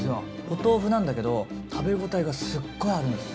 お豆腐なんだけど食べ応えがすっごいあるんです。